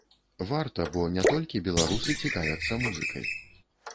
Варта, бо не толькі беларусы цікавяцца музыкай.